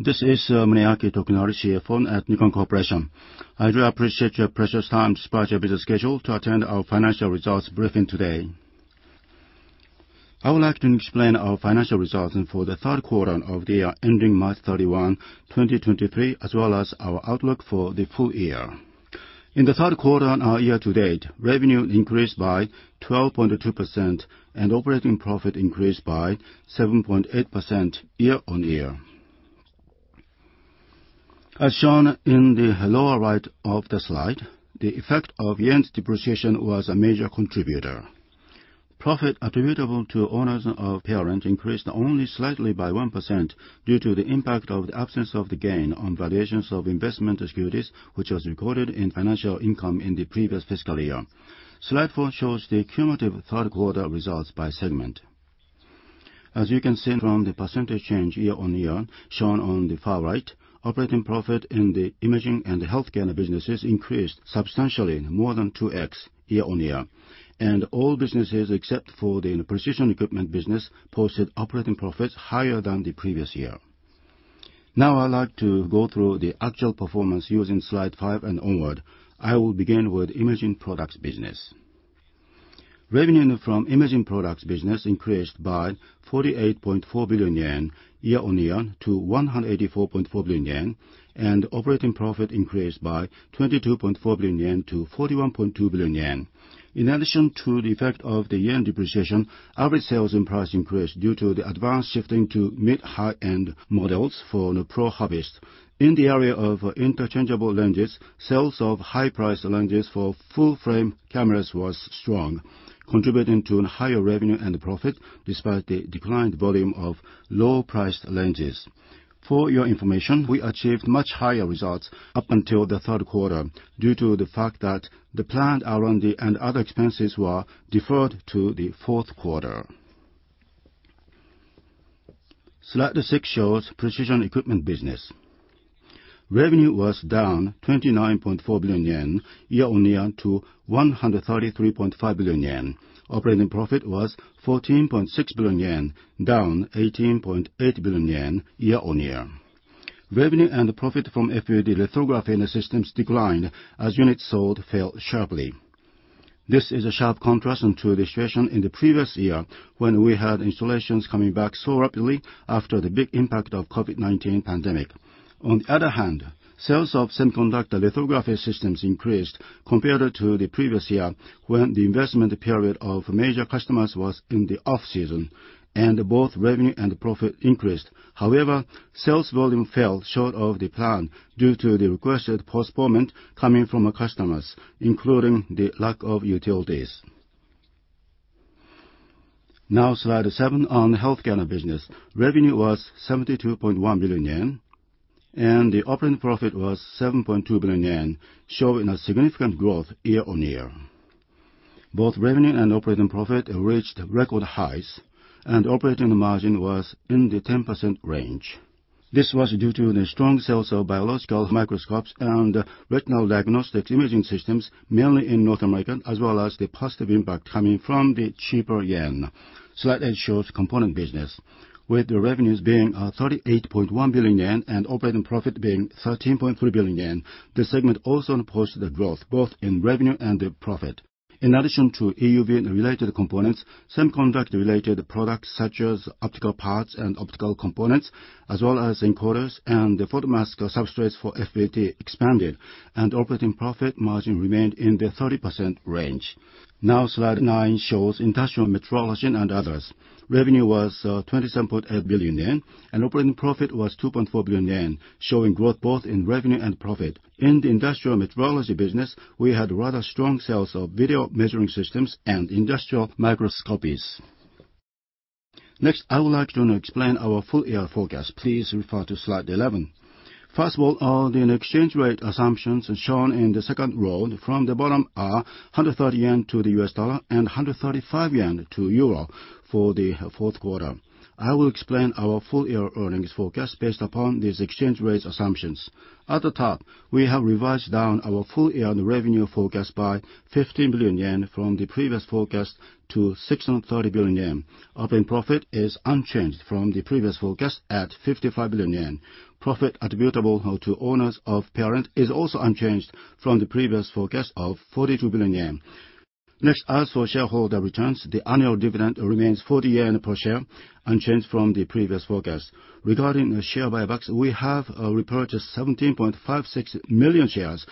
This is Muneaki Tokunari, CFO at Nikon Corporation. I do appreciate your precious time despite your busy schedule to attend our financial results briefing today. I would like to explain our financial results and for the third quarter of the year ending March 31, 2023, as well as our outlook for the full year. In the third quarter and our year-to-date, revenue increased by 12.2% and operating profit increased by 7.8% year-on-year. As shown in the lower right of the slide, the effect of yen's depreciation was a major contributor. Profit attributable to owners of parent increased only slightly by 1% due to the impact of the absence of the gain on valuation of investment securities, which was recorded in financial income in the previous fiscal year. Slide four shows the cumulative third quarter results by segment. As you can see from the percentage change year-on-year shown on the far right, operating profit in the imaging and the healthcare businesses increased substantially more than 2x year-on-year. All businesses except for the precision equipment business posted operating profits higher than the previous year. Now I would like to go through the actual performance using slide five and onward. I will begin with imaging products business. Revenue from imaging products business increased by 48.4 billion yen year-on-year to 184.4 billion yen, and operating profit increased by 22.4 billion yen to 41.2 billion yen. In addition to the effect of the yen depreciation, average sales and price increase due to the advanced shifting to mid-high-end models for prosumer. In the area of interchangeable lenses, sales of high-priced lenses for full-frame cameras was strong, contributing to higher revenue and profit despite the declined volume of low-priced lenses. For your information, we achieved much higher results up until the third quarter due to the fact that the planned R&D and other expenses were deferred to the fourth quarter. Slide six shows precision equipment business. Revenue was down 29.4 billion yen year-on-year to 133.5 billion yen. Operating profit was 14.6 billion yen, down 18.8 billion yen year-on-year. Revenue and profit from FPD lithography and systems declined as units sold fell sharply. This is a sharp contrast to the situation in the previous year when we had installations coming back so rapidly after the big impact of COVID-19 pandemic. On other hand, sales of semiconductor lithography systems increased compared to the previous year when the investment period of major customers was in the off-season, and both revenue and profit increased. Sales volume fell short of the plan due to the requested postponement coming from our customers, including the lack of utilities. Slide seven on healthcare business. Revenue was 72.1 billion yen, and the operating profit was 7.2 billion yen, showing a significant growth year-on-year. Both revenue and operating profit reached record highs, and operating margin was in the 10% range. This was due to the strong sales of biological microscopes and retinal diagnostics imaging systems, mainly in North America, as well as the positive impact coming from the cheaper yen. Slide eight shows component business. With the revenues being 38.1 billion yen and operating profit being 13.3 billion yen, this segment also posted a growth both in revenue and in profit. In addition to EUV related components, semiconductor related products such as optical parts and optical components, as well as encoders and the photomask substrates for FPD expanded, and operating profit margin remained in the 30% range. Slide nine shows industrial metrology and others. Revenue was 27.8 billion yen, and operating profit was 2.4 billion yen, showing growth both in revenue and profit. In the industrial metrology business, we had rather strong sales of video measuring systems and industrial microscopies. Next, I would like to now explain our full year forecast. Please refer to slide 11. First of all, the exchange rate assumptions shown in the second row from the bottom are 130 yen to the US dollar and 135 yen to EUR for the fourth quarter. I will explain our full year earnings forecast based upon these exchange rate assumptions. At the top, we have revised down our full year revenue forecast by 15 billion yen from the previous forecast to 630 billion yen. Operating profit is unchanged from the previous forecast at 55 billion yen. Profit attributable to owners of parent is also unchanged from the previous forecast of 42 billion yen. Next, as for shareholder returns, the annual dividend remains 40 yen per share, unchanged from the previous forecast. Regarding the share buybacks, we have repurchased 17.56 million shares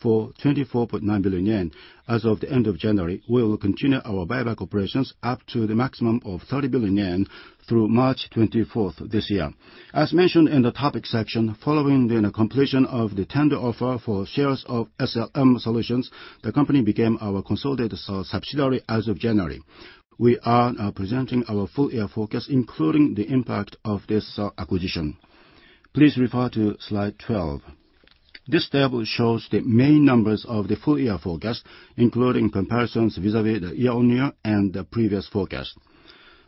for 24.9 billion yen. As of the end of January, we will continue our buyback operations up to the maximum of 30 billion yen through March 24th this year. As mentioned in the topic section, following the completion of the tender offer for shares of SLM Solutions, the company became our consolidated subsidiary as of January. We are now presenting our full year forecast, including the impact of this acquisition. Please refer to slide 12. This table shows the main numbers of the full year forecast, including comparisons vis-à-vis the year-on-year and the previous forecast.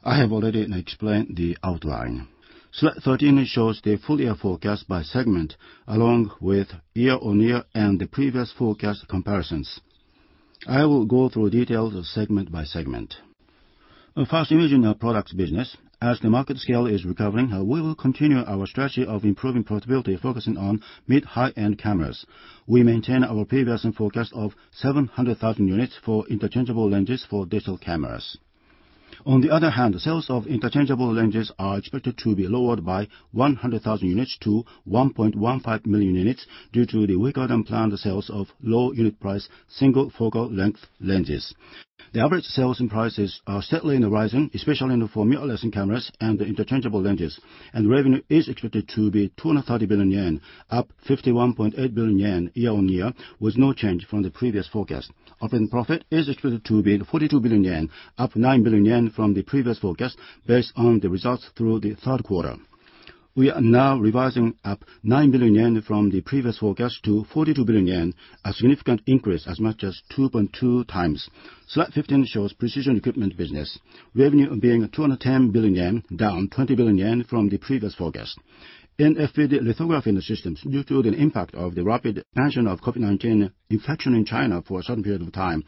I have already explained the outline. Slide 13 shows the full year forecast by segment, along with year-on-year and the previous forecast comparisons. I will go through details segment by segment. First, imaging products business. As the market scale is recovering, we will continue our strategy of improving profitability, focusing on mid-high-end cameras. We maintain our previous forecast of 700,000 units for interchangeable lenses for digital cameras. On the other hand, sales of interchangeable lenses are expected to be lowered by 100,000 units to 1.15 million units due to the weaker than planned sales of low unit price single focal length lenses. The average sales and prices are steadily rising, especially for mirrorless cameras and the interchangeable lenses, and revenue is expected to be 230 billion yen, up 51.8 billion yen year-on-year, with no change from the previous forecast. Operating profit is expected to be 42 billion yen, up 9 billion yen from the previous forecast based on the results through the third quarter. We are now revising up 9 billion yen from the previous forecast to 42 billion yen, a significant increase as much as 2.2x. Slide 15 shows precision equipment business, revenue being 210 billion yen, down 20 billion yen from the previous forecast. In FPD lithography systems, due to the impact of the rapid expansion of COVID-19 infection in China for a certain period of time,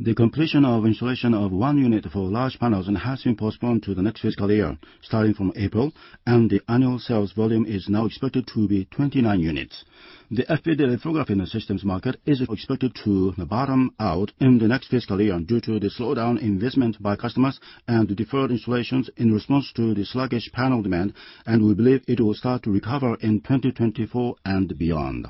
the completion of installation of one unit for large panels has been postponed to the next fiscal year, starting from April, and the annual sales volume is now expected to be 29 units. The FPD lithography systems market is expected to bottom out in the next fiscal year due to the slowdown investment by customers and deferred installations in response to the sluggish panel demand, and we believe it will start to recover in 2024 and beyond.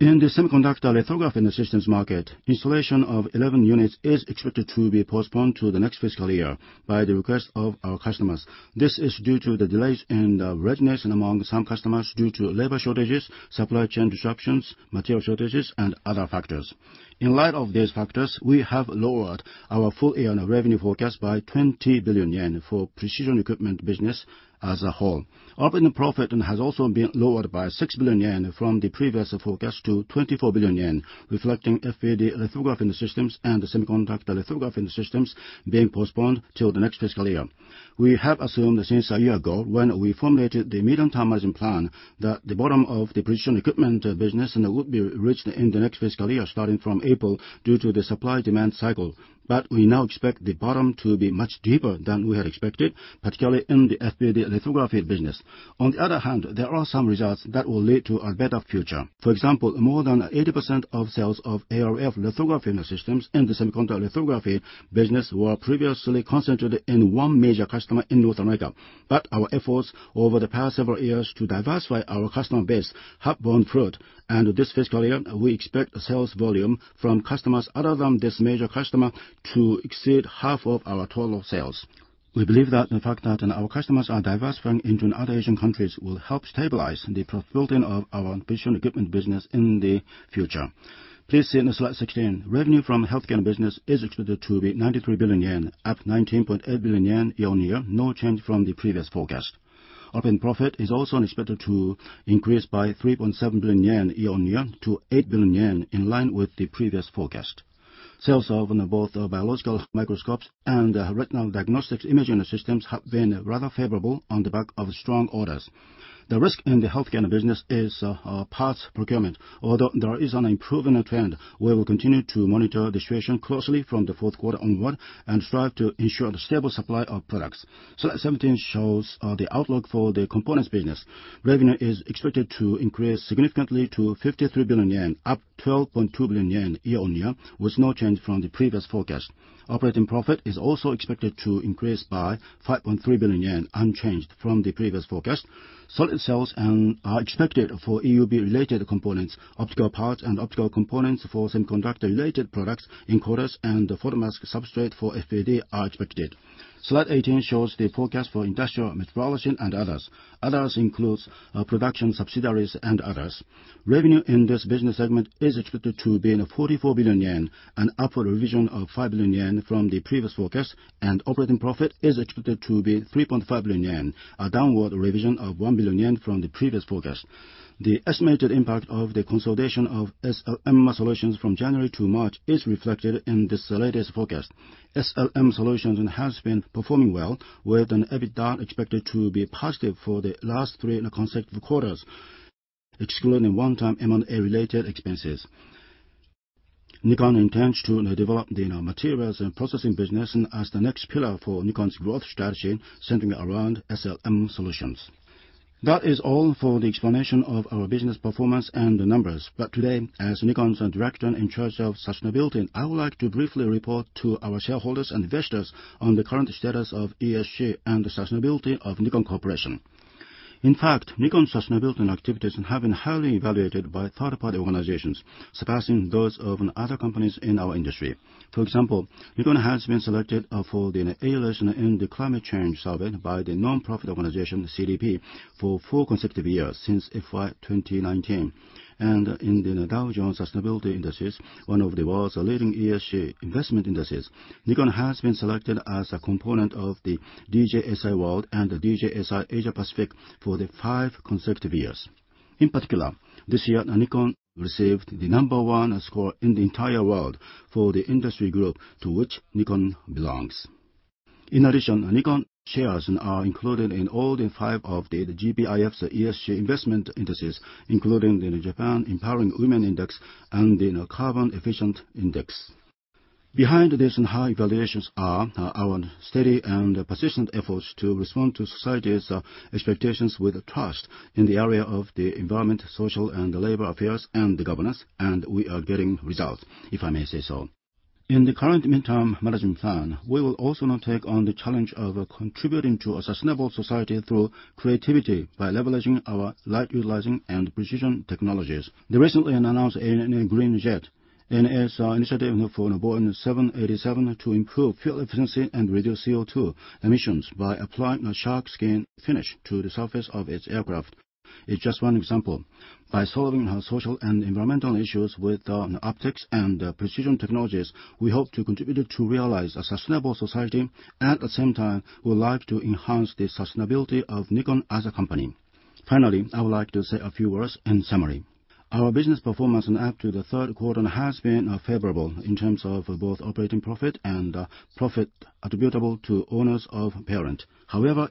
In the semiconductor lithography systems market, installation of 11 units is expected to be postponed to the next fiscal year by the request of our customers. This is due to the delays in the readiness among some customers due to labor shortages, supply chain disruptions, material shortages, and other factors. In light of these factors, we have lowered our full year revenue forecast by 20 billion yen for precision equipment business as a whole. Operating profit has also been lowered by 6 billion yen from the previous forecast to 24 billion yen, reflecting FPD lithography systems and the semiconductor lithography systems being postponed till the next fiscal year. We have assumed since a year ago when we formulated the medium-term management plan that the bottom of the precision equipment business would be reached in the next fiscal year, starting from April, due to the supply-demand cycle. We now expect the bottom to be much deeper than we had expected, particularly in the FPD lithography business. On the other hand, there are some results that will lead to a better future. For example, more than 80% of sales of ArF lithography systems in the semiconductor lithography business were previously concentrated in one major customer in North America. Our efforts over the past several years to diversify our customer base have borne fruit, and this fiscal year, we expect sales volume from customers other than this major customer to exceed half of our total sales. We believe that the fact that our customers are diversifying into other Asian countries will help stabilize the profitability of our precision equipment business in the future. Please see slide 16. Revenue from healthcare business is expected to be 93 billion yen, up 19.8 billion yen year-on-year, no change from the previous forecast. Operating profit is also expected to increase by 3.7 billion yen year-on-year to 8 billion yen, in line with the previous forecast. Sales of both biological microscopes and retinal diagnostics imaging systems have been rather favorable on the back of strong orders. The risk in the healthcare business is parts procurement. Although there is an improvement trend, we will continue to monitor the situation closely from the fourth quarter onward and strive to ensure the stable supply of products. Slide 17 shows the outlook for the components business. Revenue is expected to increase significantly to 53 billion yen, up 12.2 billion yen year-on-year, with no change from the previous forecast. Operating profit is also expected to increase by 5.3 billion yen, unchanged from the previous forecast. Solid sales are expected for EUV-related components, optical parts and optical components for semiconductor-related products, encoders, and photomask substrate for FPD are expected. Slide 18 shows the forecast for industrial, metrology, and others. Others includes production subsidiaries and others. Revenue in this business segment is expected to be 44 billion yen, an upward revision of 5 billion yen from the previous forecast, and operating profit is expected to be 3.5 billion yen, a downward revision of 1 billion yen from the previous forecast. The estimated impact of the consolidation of SLM Solutions from January to March is reflected in this latest forecast. SLM Solutions has been performing well, with an EBITDA expected to be positive for the last three consecutive quarters, excluding one-time M&A related expenses. Nikon intends to develop the materials and processing business as the next pillar for Nikon's growth strategy, centering around SLM Solutions. That is all for the explanation of our business performance and the numbers. Today, as Nikon's director in charge of sustainability, I would like to briefly report to our shareholders and investors on the current status of ESG and the sustainability of Nikon Corporation. In fact, Nikon sustainability activities have been highly evaluated by third-party organizations, surpassing those of other companies in our industry. For example, Nikon has been selected for the A list in the climate change survey by the nonprofit organization CDP for four consecutive years since FY 2019. In the Dow Jones Sustainability Indices, one of the world's leading ESG investment indices, Nikon has been selected as a component of the DJSI World and the DJSI Asia Pacific for the five consecutive years. In particular, this year, Nikon received the number one score in the entire world for the industry group to which Nikon belongs. In addition, Nikon shares are included in all the five of the GPIF's ESG investment indices, including the Japan Empowering Women Index and the Carbon Efficient Index. Behind this high valuations are our steady and persistent efforts to respond to society's expectations with trust in the area of the environment, social and labor affairs and governance, and we are getting results, if I may say so. In the current midterm management plan, we will also now take on the challenge of contributing to a sustainable society through creativity by leveraging our light utilizing and precision technologies. The recently announced Green Jet initiative for Boeing 787 to improve fuel efficiency and reduce CO2 emissions by applying a shark skin finish to the surface of its aircraft is just one example. By solving our social and environmental issues with our optics and precision technologies, we hope to contribute to realize a sustainable society. At the same time, we would like to enhance the sustainability of Nikon as a company. Finally, I would like to say a few words in summary. Our business performance up to the third quarter has been favorable in terms of both operating profit and profit attributable to owners of parent.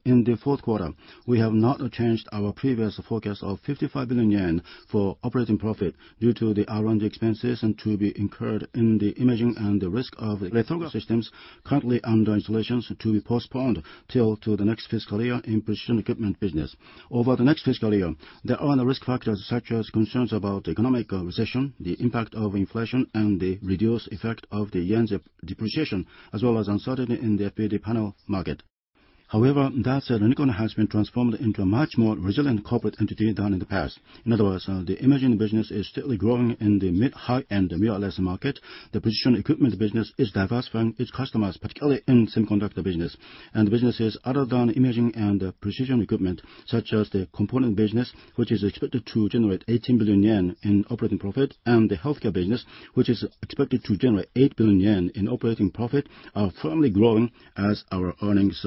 In the fourth quarter, we have not changed our previous forecast of 55 billion yen for operating profit due to the R&D expenses to be incurred in the imaging and the risk of lithography systems currently under installations to be postponed till to the next fiscal year in precision equipment business. Over the next fiscal year, there are risk factors such as concerns about economic recession, the impact of inflation, and the reduced effect of the Yen's depreciation, as well as uncertainty in the FPD panel market. That said, Nikon has been transformed into a much more resilient corporate entity than in the past. In other words, the imaging business is steadily growing in the mid-high and mirrorless market. The precision equipment business is diversifying its customers, particularly in semiconductor business. Businesses other than imaging and precision equipment, such as the component business, which is expected to generate 18 billion yen in operating profit, and the healthcare business, which is expected to generate 8 billion yen in operating profit, are firmly growing as our earnings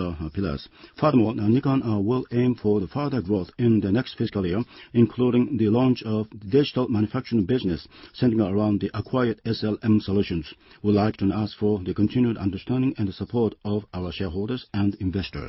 pillars. Nikon will aim for the further growth in the next fiscal year, including the launch of digital manufacturing business centered around the acquired SLM Solutions. We'd like to ask for the continued understanding and support of our shareholders and investors.